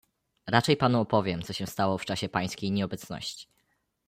"Raczej panu opowiem, co się stało w czasie pańskiej nieobecności."